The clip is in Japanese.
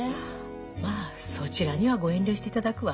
まあそちらにはご遠慮していただくわ。